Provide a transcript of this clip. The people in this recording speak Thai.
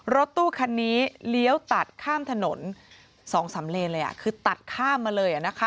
รถตู้คันนี้เลี้ยวตัดข้ามถนน๒๓เลนเลยคือตัดข้ามมาเลยนะคะ